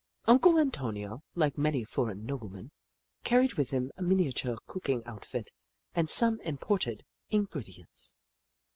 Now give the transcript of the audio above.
Uncle Antonio, like many foreign noblemen, carried with him a miniature cooking outfit and some imported ingredients.